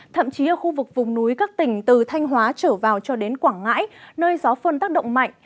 thậm chí ở khu vực vùng núi các tỉnh từ thanh hóa trở vào cho đến quảng ngãi nơi gió phân tác động mạnh